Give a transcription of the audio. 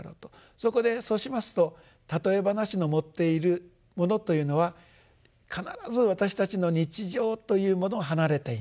そこでそうしますと譬え話の持っているものというのは必ず私たちの日常というものを離れていない。